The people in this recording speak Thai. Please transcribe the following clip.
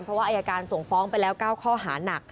เพราะว่าอายการส่งฟ้องไปแล้ว๙ข้อหานัก